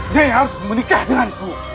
nyai harus menikah denganku